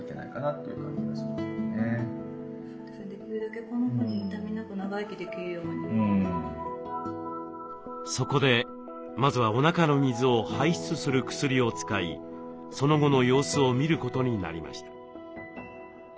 エコーの結果見つけたのはそのためそこでまずはおなかの水を排出する薬を使いその後の様子を見ることになりました。